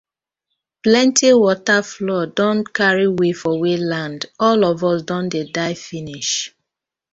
Plenti wata flood don karry we for we land, all of us don dey die finish.